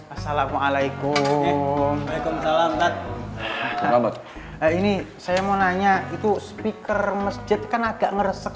assalamualaikum selamat ini saya mau nanya itu speaker masjid kan agak ngeresek